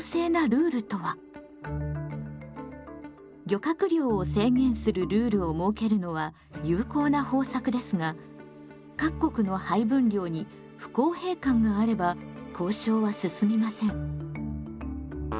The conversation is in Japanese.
漁獲量を制限するルールを設けるのは有効な方策ですが各国の配分量に不公平感があれば交渉は進みません。